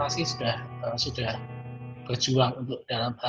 rasa rindu ia sampaikan lewat ungkapan terima kasih yang mendalam kepada seorang kakak